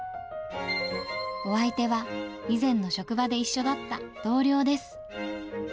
お相手は以前の職場で一緒だった同僚です。